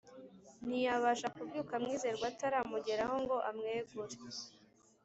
ntiyabasha kubyuka Mwizerwa ataramugeraho ngo amwegure